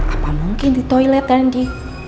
apa mungkin di toilet randy